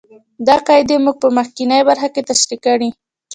دا قاعدې موږ په مخکینۍ برخه کې تشرېح کړې.